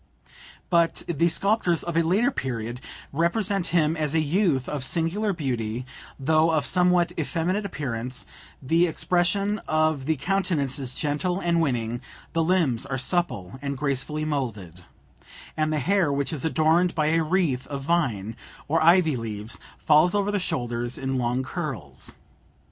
But the sculptors of a later period represent him as a youth of singular beauty, though of somewhat effeminate appearance; the expression of the countenance is gentle and winning; the limbs are supple and gracefully moulded; and the hair, which is adorned by a wreath of vine or ivy leaves, falls over the shoulders in long curls.